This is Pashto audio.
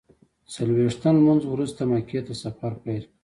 څلویښتم لمونځ وروسته مکې ته سفر پیل کړ.